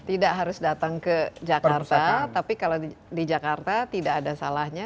tidak harus datang ke jakarta tapi kalau di jakarta tidak ada salahnya